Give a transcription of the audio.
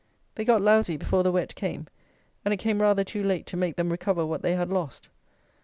They got lousy before the wet came; and it came rather too late to make them recover what they had lost.